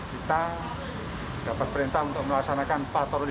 kita dapat perintah untuk melaksanakan patroli